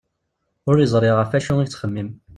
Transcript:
Ur yeẓri ɣef wacu i yettxemmim.